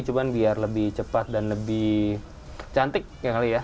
cuman biar lebih cepat dan lebih cantik yang kali ya